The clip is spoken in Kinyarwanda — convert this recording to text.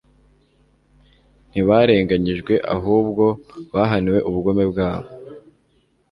ntibarenganyijwe, ahubwo bahaniwe ubugome bwabo